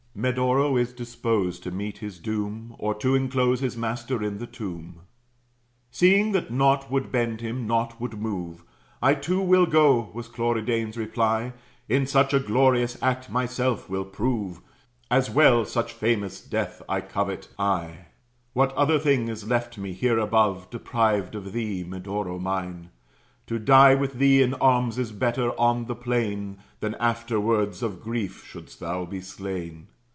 Medoro is disposed to meet his doom, Or to inclose his master in the tomb. Seeing that naught would bend him, naught would move, "I too will go," was Cloridane's reply: "In such a glorious act myself will prove; As well such famous death I covet, I. What other thing is left me, here above, Deprived of thee, Medoro mine? To die With thee in arms is better, on the plain, Than afterwards of grief, shouldst thou be slain."